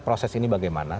proses ini bagaimana